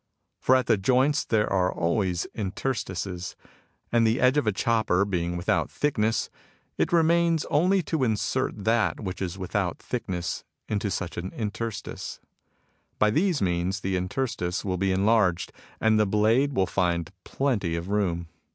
For at the joints there are always interstices, and the edge of a chopper being without thickness, it remains only to insert that which is without thickness into such an interstice.^ By these means the interstice will be enlarged, and the blade will find plenty of room.